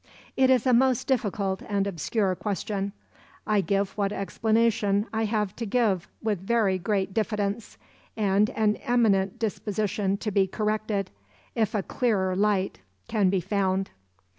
It is a most difficult and obscure question. I give what explanation I have to give with very great diffidence, and an eminent disposition to be corrected, if a clearer light can be found.